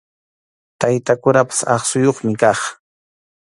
Tayta kurapas aqsuyuqmi kaq.